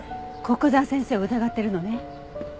古久沢先生を疑ってるのね。